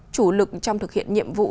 chủ lực trong thực hiện nhiệm vụ